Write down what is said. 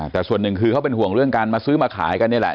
แต่ส่วนหนึ่งคือเขาเป็นห่วงเรื่องการมาซื้อมาขายกันนี่แหละ